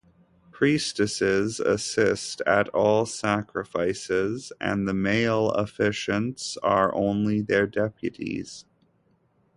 Priestesses assist at all sacrifices, and the male officiants are only their deputies.